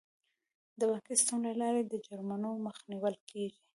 د بانکي سیستم له لارې د جرمونو مخه نیول کیږي.